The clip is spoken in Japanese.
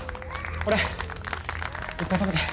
これいっぱい食べて。